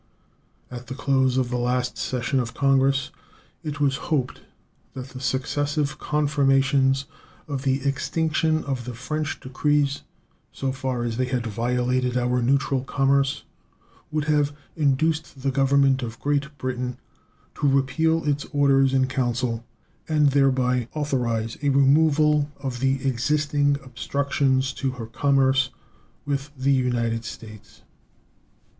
At the close of the last session of Congress it was hoped that the successive confirmations of the extinction of the French decrees, so far as they violated our neutral commerce, would have induced the Government of Great Britain to repeal its orders in council, and thereby authorize a removal of the existing obstructions to her commerce with the United States.